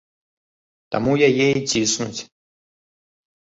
Таму яе і ціснуць.